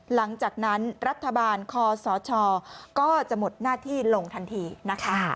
หลังจากนั้นรัฐบาลคอสชก็จะหมดหน้าที่ลงทันทีนะคะ